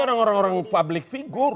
orang orang public figure